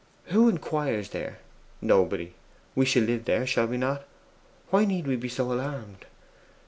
Who inquires there? Nobody. We shall live there, shall we not? Why need we be so alarmed?